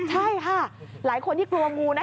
ใช่ค่ะหลายคนที่กลัวงูนะ